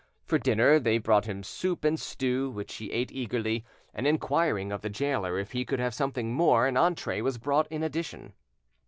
For, dinner, they brought him soup and stew, which he ate eagerly, and inquiring of the gaoler if he could have something more, an entree was brought in addition.